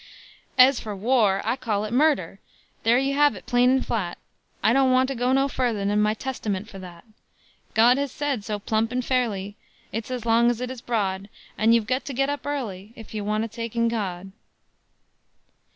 "Ez for war, I call it murder There you hev it plain an' flat: I don't want to go no furder Than my Testyment for that; God hez said so plump an' fairly, It's ez long as it is broad, An' you've gut to git up airly Ef you want to take in God."